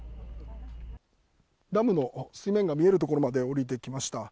ダムの水面が見えるところまで下りてきました。